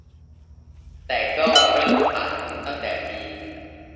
แต่ก็เริ่มขาดทุนตั้งแต่ปี